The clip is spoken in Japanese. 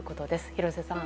廣瀬さん。